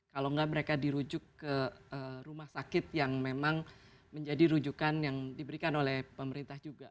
kalau nggak mereka dirujuk ke rumah sakit yang memang menjadi rujukan yang diberikan oleh pemerintah juga